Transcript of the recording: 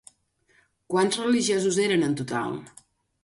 Quants religiosos eren en total?